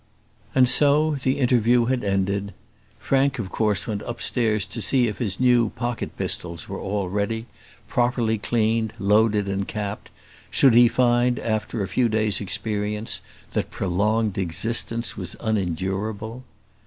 And so the interview had ended. Frank, of course, went upstairs to see if his new pocket pistols were all ready, properly cleaned, loaded, and capped, should he find, after a few days' experience, that prolonged existence was unendurable.